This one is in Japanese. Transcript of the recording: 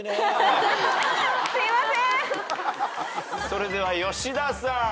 それでは吉田さん。